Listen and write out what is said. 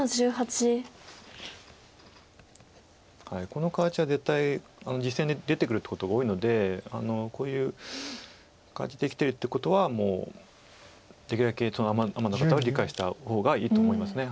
この形は絶対実戦で出てくることが多いのでこういう感じできてるということはもうできるだけアマの方は理解した方がいいと思います。